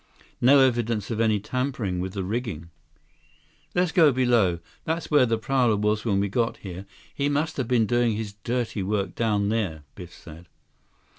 No evidence of any tampering with the rigging. "Let's go below. That's where the prowler was when we got here. He must have been doing his dirty work down there," Biff said.